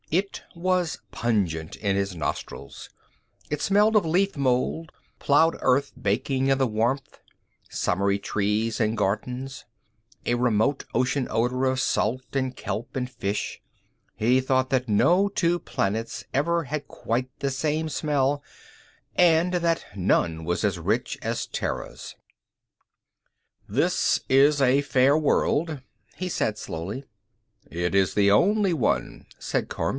It was pungent in his nostrils. It smelled of leaf mould, plowed earth baking in the warmth, summery trees and gardens, a remote ocean odor of salt and kelp and fish. He thought that no two planets ever had quite the same smell, and that none was as rich as Terra's. "This is a fair world," he said slowly. "It is the only one," said Kormt.